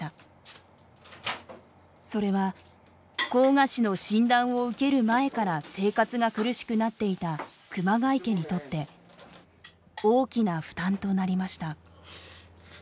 それは膠芽腫の診断を受ける前から生活が苦しくなっていた熊谷家にとって大きな負担となりました。